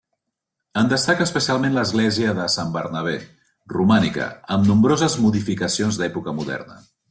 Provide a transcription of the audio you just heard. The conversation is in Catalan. En destaca especialment l'església de Sant Bernabé, romànica, amb nombroses modificacions d'època moderna.